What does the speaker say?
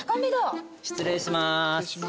失礼します。